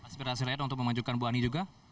aspirasi rakyat untuk memajukan bu ani juga